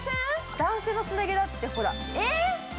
男性のすね毛だって、ほら。